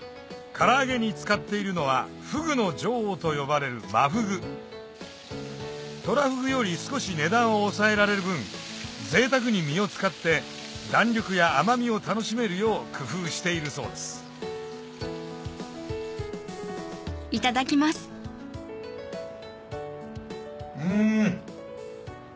唐揚げに使っているのはフグの女王と呼ばれるトラフグより少し値段を抑えられる分ぜいたくに身を使って弾力や甘みを楽しめるよう工夫しているそうですうん！